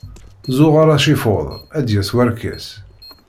Zzuɣer acifuḍ, ar d-yas-warkas.